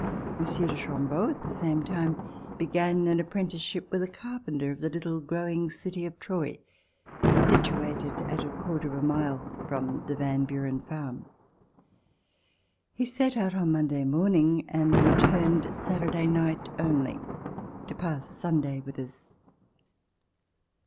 Monsieur de Chambeau at the same time THE FARM NEAR ALBANY began an apprenticeship w ith a carpenter of the httle growing city of Troy situated at a quarter of a mile from the Van Buren farm. He set out Monday morn ing and returned Saturday night only to pass Sunday with us.